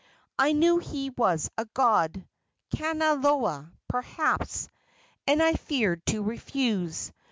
I knew he was a god Kanaloa, perhaps and I feared to refuse.